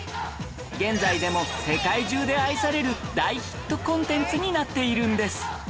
現在でも世界中で愛される大ヒットコンテンツになっているんです